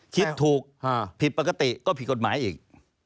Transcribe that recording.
คิดถูกผิดปกติก็ผิดกฎหมายอีก